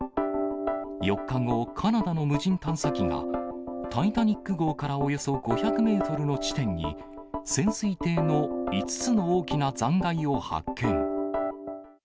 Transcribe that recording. ４日後、カナダの無人探査機が、タイタニック号からおよそ５００メートルの地点に、潜水艇の５つの大きな残骸を発見。